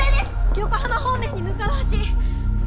横浜方面に向かう橋。